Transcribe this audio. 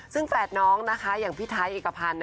ซึ่งแหล่น้องได้อย่างพี่ไทยเอกพัน